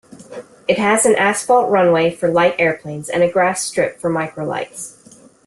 It has a asphalt runway for light airplanes and a grass strip for microlights.